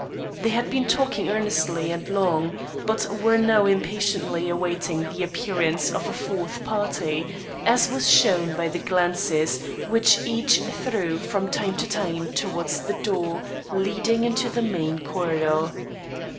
They had been talking earnestly and long, but were now impatiently awaiting the appearance of a fourth party, as was shown by the glances which each threw from time to time towards the door leading into the main corridor.